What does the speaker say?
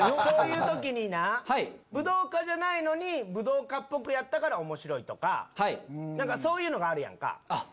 そういう時にな武闘家じゃないのに武闘家っぽくやったからおもしろいとかそういうのがあるやんか。